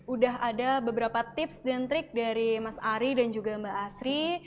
udah ada beberapa tips dan trik dari mas ari dan juga mbak asri